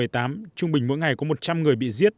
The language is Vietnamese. trung bình mỗi ngày có một trăm linh người bị giết